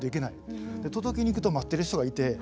届けに行くと待ってる人がいて。